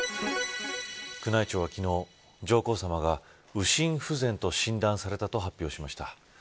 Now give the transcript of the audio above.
宮内庁は昨日上皇さまが右心不全と診断されたと発表しました。